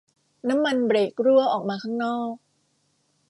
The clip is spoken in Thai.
น้ำมันเบรกรั่วออกมาข้างนอก